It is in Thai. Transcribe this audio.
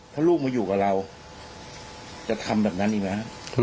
ถ้าลูกมาอยู่กับเราจะทำแบบนั้นอีกไหม